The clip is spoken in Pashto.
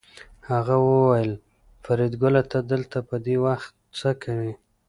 هغه وویل فریدګله ته دلته په دې وخت څه کوې